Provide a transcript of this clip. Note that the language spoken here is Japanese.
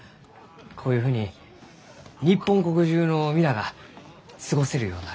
こういうふうに日本国中の皆が過ごせるようになる。